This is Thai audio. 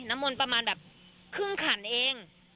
มนต์ประมาณแบบครึ่งขันเอง